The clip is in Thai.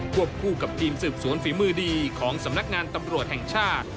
วบคู่กับทีมสืบสวนฝีมือดีของสำนักงานตำรวจแห่งชาติ